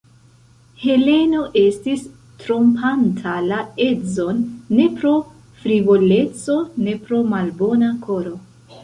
Heleno estis trompanta la edzon ne pro frivoleco, ne pro malbona koro.